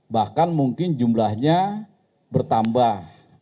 bahkan mungkin jumlahnya bertambah